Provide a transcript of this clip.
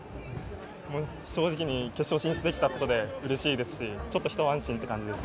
正直に、決勝進出できたことがうれしいですしちょっと一安心という感じです。